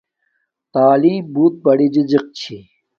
تعلیم بوت بری رزق چھی